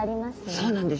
そうなんです。